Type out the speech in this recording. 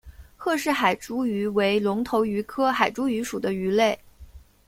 赫氏海猪鱼为隆头鱼科海猪鱼属的鱼类。